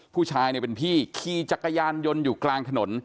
ผู้ชายเนี่ยเป็นพี่ขี่จักรยานยนต์อยู่กลางถนน